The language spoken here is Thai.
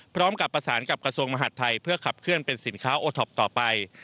พร้อมกับประสานกับกระทรวงมหาดไทยเพื่อขับเคลื่อนเป็นสินค้าโอท็อปต่อไป